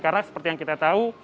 karena seperti yang kita tahu